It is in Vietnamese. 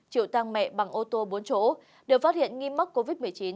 triệu tăng mẹ bằng ô tô bốn chỗ đều phát hiện nghi mắc covid một mươi chín